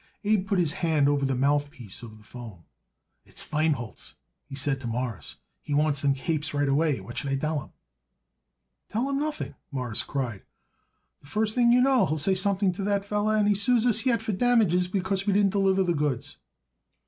Abe put his hand over the mouthpiece of the 'phone. "It's Feinholz," he said to Morris. "He wants them capes right away. What shall I tell him?" "Tell him nothing," Morris cried. "The first thing you know you will say something to that feller, and he sues us yet for damages because we didn't deliver the goods."